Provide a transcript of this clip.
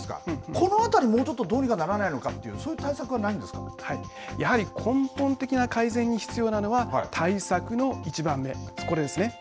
このあたり、もうちょっとどうにかならないかというやはり根本的な改善に必要なのは対策の１番目これですね。